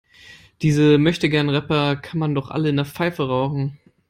Diese Möchtegern-Rapper kann man doch alle in der Pfeife rauchen.